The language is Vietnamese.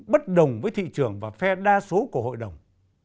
bất đồng với thị trường và phe đa số của hội đồng